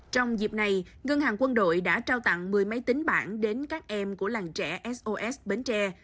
trong dịp này ngân hàng quân đội đã trao tặng một mươi máy tính bản đến các em của làng trẻ sos bến tre